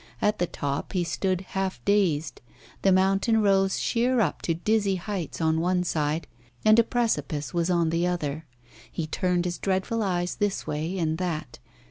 At the top he stood half dazed. The mountain rose sheer up to dizzy heights on one side, and a precipice was on the other. He turned his dreadful eyes this way and that.